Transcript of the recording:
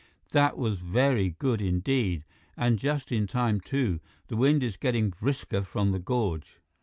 "That was very good, indeed. And just in time, too. The wind is getting brisker from the gorge.